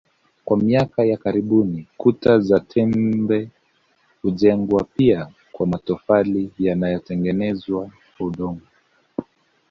Kwa miaka ya karibuni kuta za tembe hujengwa pia kwa matofali yanayotengenezwa kwa udongo